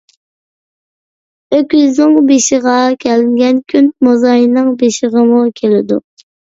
ئۆكۈزنىڭ بېشىغا كەلگەن كۈن موزاينىڭ بېشىغىمۇ كېلىدۇ.